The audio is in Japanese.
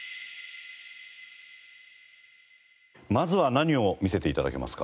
まずは何を見せて頂けますか？